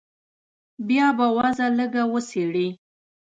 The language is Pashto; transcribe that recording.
بيا به وضع لږه وڅېړې.